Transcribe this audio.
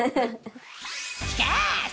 しかし！